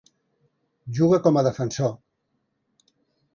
Juga com a defensor.